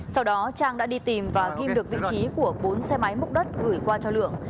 sau đó trang đã đi tìm và ghim được vị trí của bốn xe máy múc đất gửi qua cho lượng